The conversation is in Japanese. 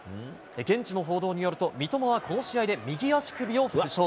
現地の報道によると、三笘はこの試合で右足首を負傷。